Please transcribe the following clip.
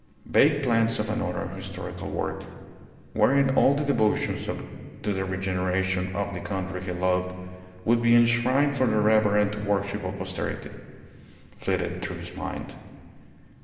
Vague plans of another historical work, wherein all the devotions to the regeneration of the country he loved would be enshrined for the reverent worship of posterity, flitted through his mind.